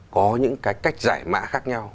có những cái cách giải mã khác nhau